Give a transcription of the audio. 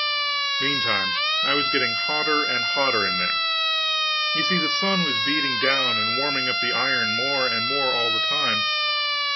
Meantime, it was getting hotter and hotter in there. You see, the sun was beating down and warming up the iron more and more all the time.